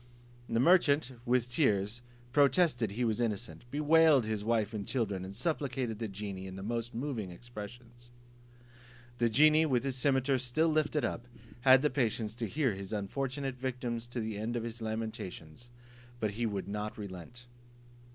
The merchant, with tears, protested he was innocent, bewailed his wife and children, and supplicated the genie, in the most moving expressions. The genie, with his cimeter still lifted up, had the patience to hear his unfortunate victims to the end of his lamentations, but would not relent.